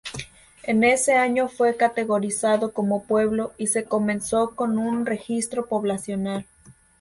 En ese año fue categorizado como pueblo, y se comenzó con un registro poblacional.